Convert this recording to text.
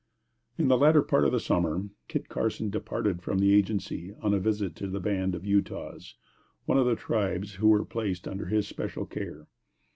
In the latter part of the summer, Kit Carson departed from the agency, on a visit to the band of Utahs, one of the tribes who were placed under his special charge.